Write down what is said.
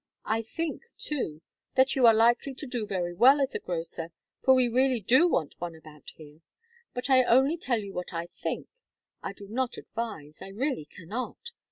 I think, too, that you are likely to do very well as a grocer, for we really do want one about here. But I only tell you what I think. I do not advise. I really cannot.